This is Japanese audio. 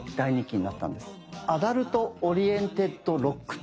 アダルト・オリエンテッド・ロック。